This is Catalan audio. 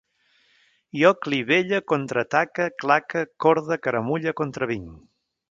Jo clivelle, contraataque, claque, corde, caramulle, contravinc